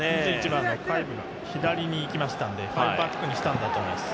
２１番のカイブが左に行きましたんで、ファイブバックにしたんだと思います。